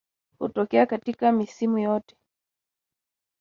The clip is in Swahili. Hutokea katika misimu yote